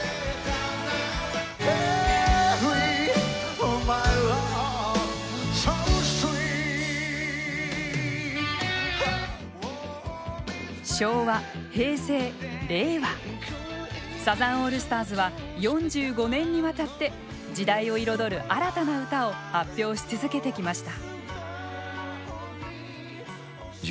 「エリーｍｙｌｏｖｅｓｏｓｗｅｅｔ」昭和平成令和サザンオールスターズは４５年にわたって時代を彩る新たな歌を発表し続けてきました。